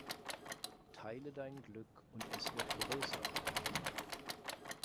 Teile dein Glück und es wird größer“.